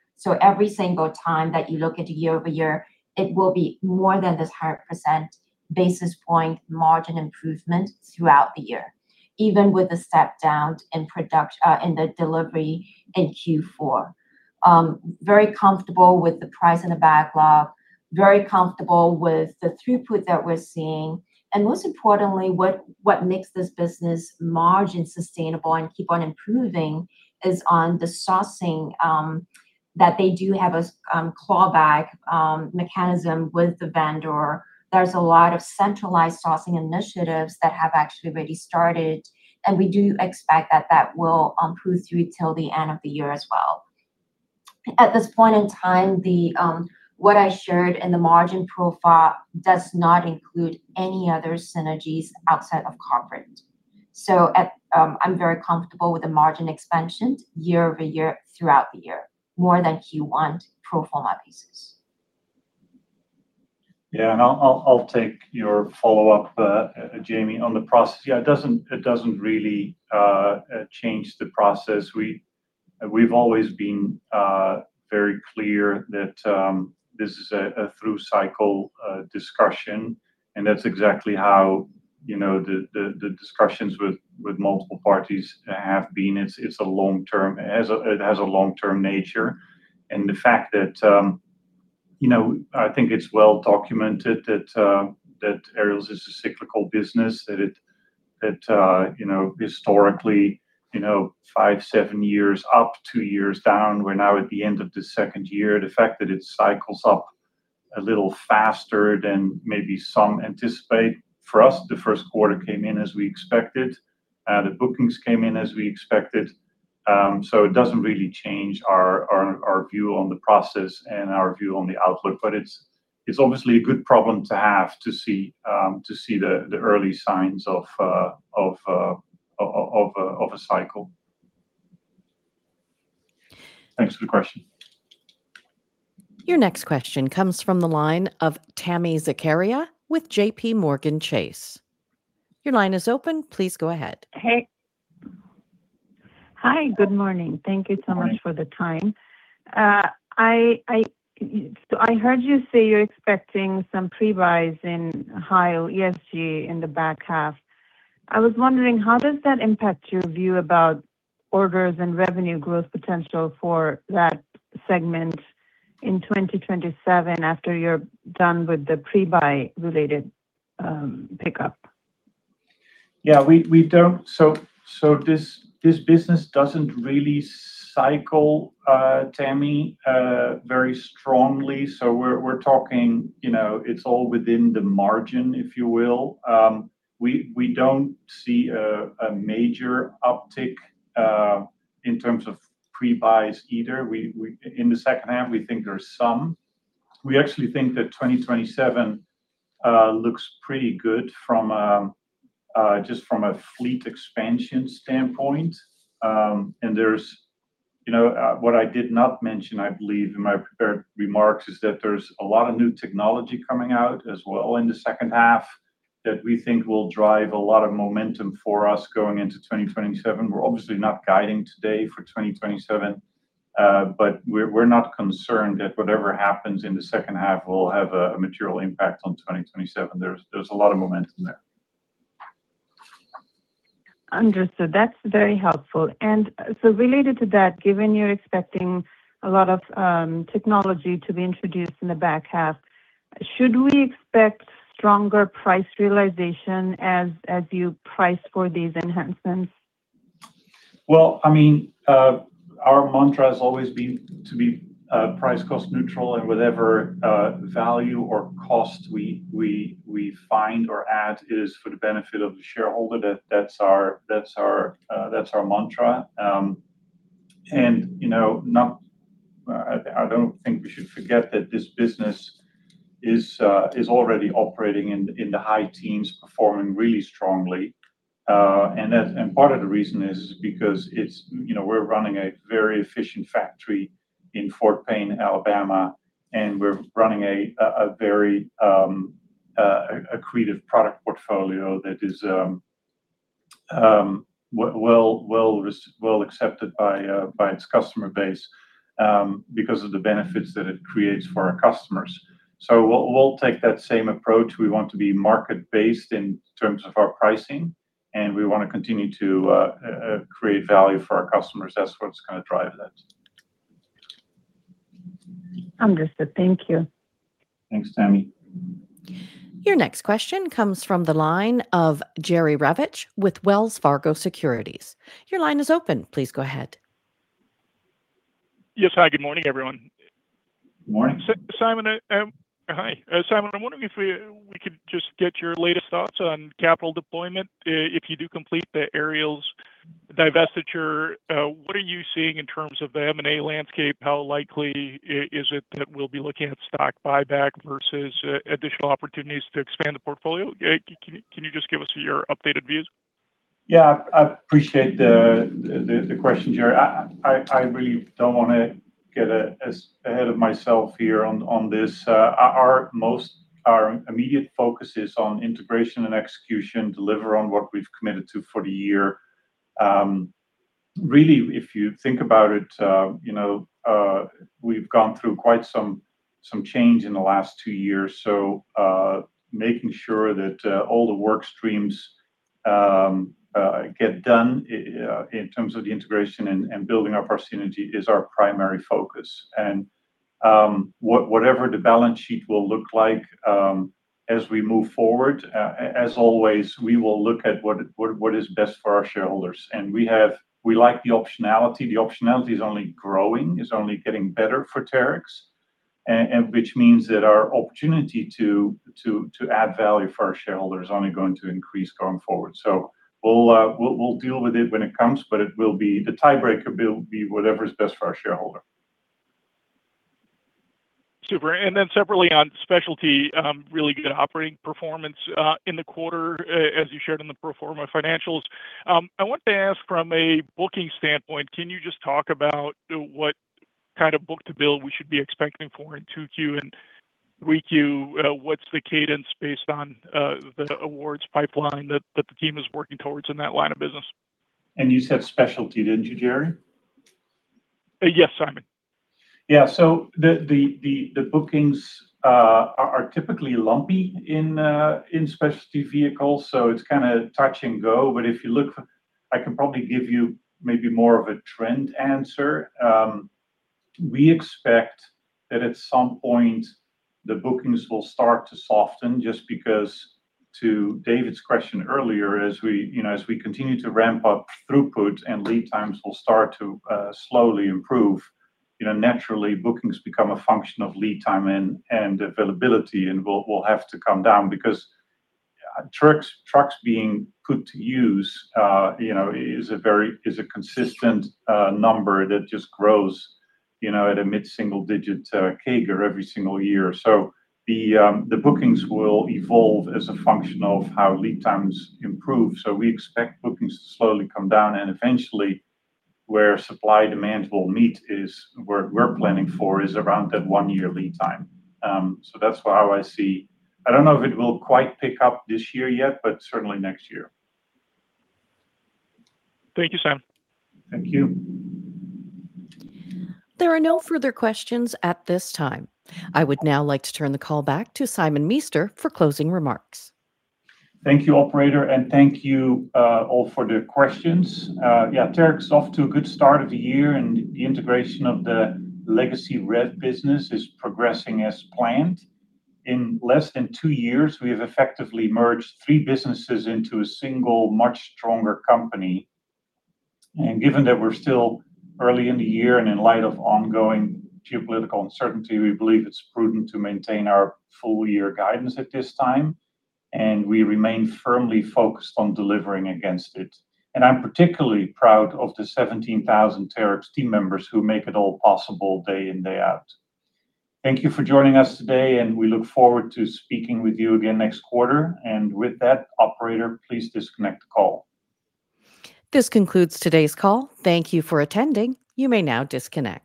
Every single time that you look at it year-over-year, it will be more than this 100% basis point margin improvement throughout the year, even with the step down in product in the delivery in Q4. Very comfortable with the price and the backlog, very comfortable with the throughput that we're seeing. Most importantly, what makes this business margin sustainable and keep on improving is on the sourcing, that they do have a claw back mechanism with the vendor. There's a lot of centralized sourcing initiatives that have actually already started, and we do expect that that will prove through till the end of the year as well. At this point in time, the what I shared in the margin profile does not include any other synergies outside of corporate. I'm very comfortable with the margin expansion year-over-year throughout the year, more than Q1 pro forma basis. Yeah. I'll take your follow-up, Jamie, on the process. Yeah, it doesn't really change the process. We've always been very clear that this is a through cycle discussion, that's exactly how, you know, the discussions with multiple parties have been. It has a long-term nature. The fact that, you know, I think it's well documented that Aerials is a cyclical business, that, you know, historically, you know, five, seven years up, two years down, we're now at the end of the second year. The fact that it cycles up a little faster than maybe some anticipate, for us, the first quarter came in as we expected. The bookings came in as we expected. It doesn't really change our view on the process and our view on the outlook. It's obviously a good problem to have to see the early signs of a cycle. Thanks for the question. Your next question comes from the line of Tami Zakaria with JPMorgan Chase. Your line is open. Please go ahead. Hey. Hi, good morning. Thank you so much-... for the time. I heard you say you're expecting some pre-buys in high ESG in the back half. I was wondering, how does that impact your view about orders and revenue growth potential for that segment in 2027 after you're done with the pre-buy related pickup? Yeah, this business doesn't really cycle, Tami, very strongly. We're talking, you know, it's all within the margin, if you will. We don't see a major uptick in terms of pre-buys either. In the second half, we think there's some. We actually think that 2027 looks pretty good from just from a fleet expansion standpoint. There's, you know, what I did not mention, I believe, in my prepared remarks is that there's a lot of new technology coming out as well in the second half that we think will drive a lot of momentum for us going into 2027. We're obviously not guiding today for 2027, but we're not concerned that whatever happens in the second half will have a material impact on 2027. There's a lot of momentum there. Understood. That's very helpful. Related to that, given you're expecting a lot of technology to be introduced in the back half, should we expect stronger price realization as you price for these enhancements? Well, I mean, our mantra has always been to be price cost neutral and whatever value or cost we find or add is for the benefit of the shareholder. That's our mantra. You know, I don't think we should forget that this business is already operating in the high teens, performing really strongly. Part of the reason is because it's, you know, we're running a very efficient factory in Fort Payne, Alabama, and we're running a very creative product portfolio that is well accepted by its customer base because of the benefits that it creates for our customers. We'll take that same approach. We want to be market-based in terms of our pricing, and we wanna continue to create value for our customers. That's what's gonna drive that. Understood. Thank you. Thanks, Tami. Your next question comes from the line of Jerry Revich with Wells Fargo Securities. Your line is open. Please go ahead. Yes. Hi, good morning, everyone. Morning. Simon, hi. Simon, I'm wondering if we could just get your latest thoughts on capital deployment. If you do complete the Aerials divestiture, what are you seeing in terms of the M&A landscape? How likely is it that we'll be looking at stock buyback versus additional opportunities to expand the portfolio? Can you just give us your updated views? I appreciate the question, Jerry. I really don't wanna get as ahead of myself here on this. Our immediate focus is on integration and execution, deliver on what we've committed to for the year. Really, if you think about it, you know, we've gone through quite some change in the last two years. Making sure that all the work streams get done in terms of the integration and building our proximity is our primary focus. Whatever the balance sheet will look like as we move forward, as always, we will look at what is best for our shareholders. We like the optionality. The optionality is only growing. It's only getting better for Terex. Which means that our opportunity to add value for our shareholders is only going to increase going forward. We'll deal with it when it comes, but it will be. The tiebreaker will be whatever is best for our shareholder. Super. Then separately on Specialty, really good operating performance in the quarter, as you shared in the pro forma financials. I wanted to ask from a booking standpoint, can you just talk about what kind of book-to-bill we should be expecting for in 2Q and 3Q? What's the cadence based on the awards pipeline that the team is working towards in that line of business? You said Specialty, didn't you, Jerry? Yes, Simon. Yeah. The bookings are typically lumpy in Specialty Vehicles, so it's kinda touch and go. I can probably give you maybe more of a trend answer. We expect that at some point the bookings will start to soften just because, to David's question earlier, as we, you know, as we continue to ramp up throughput and lead times will start to slowly improve, you know, naturally bookings become a function of lead time and availability, and will have to come down. Terex trucks being put to use, you know, is a very consistent number that just grows, you know, at a mid-single digit CAGR every single year. The bookings will evolve as a function of how lead times improve. We expect bookings to slowly come down. Eventually, where supply-demand will meet is, we're planning for, is around that one-year lead time. That's how I see. I don't know if it will quite pick up this year yet, but certainly next year. Thank you, Simon. Thank you. There are no further questions at this time. I would now like to turn the call back to Simon Meester for closing remarks. Thank you, operator, and thank you, all for the questions. Terex is off to a good start of the year, and the integration of the Legacy REV business is progressing as planned. In less than two years, we have effectively merged three businesses into a single, much stronger company. Given that we're still early in the year and in light of ongoing geopolitical uncertainty, we believe it's prudent to maintain our full-year guidance at this time, and we remain firmly focused on delivering against it. I'm particularly proud of the 17,000 Terex team members who make it all possible day in, day out. Thank you for joining us today, and we look forward to speaking with you again next quarter. With that, operator, please disconnect the call. This concludes today's call. Thank you for attending. You may now disconnect